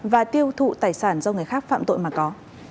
và tiêu thụ tài sản do người khác phạm tội mà có